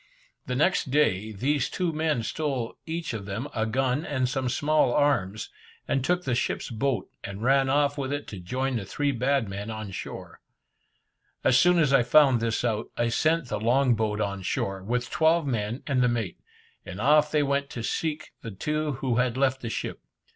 The next day, these two men stole each of them a gun and some small arms, and took the ship's boat, and ran off with it to join the three bad men on shore. As soon as I found this out, I sent the long boat on shore, with twelve men and the mate, and off they went to seek the two who had left the ship.